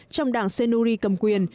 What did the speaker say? trong đảng senuri cầm quyền